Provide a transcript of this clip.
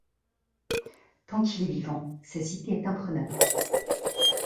Tant qu’il est vivant, sa cité est imprenable.